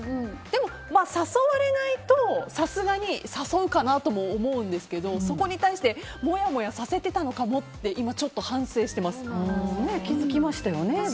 でも、誘われないとさすがに誘うかなとも思うんですけどそこに対してもやもやさせてたのかもって気づきましたよね。